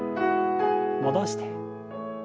戻して。